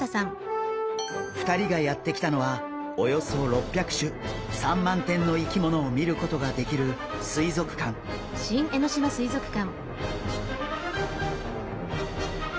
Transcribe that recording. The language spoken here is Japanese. ２人がやって来たのはおよそ６００種３万点の生き物を見ることができる水族館。